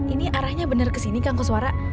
ini arahnya bener ke sini kang koswara